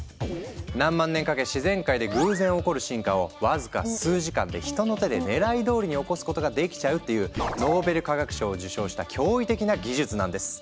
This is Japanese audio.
何万年かけ自然界で偶然起こる進化をわずか数時間で人の手で狙い通りに起こすことができちゃうっていうノーベル化学賞を受賞した驚異的な技術なんです。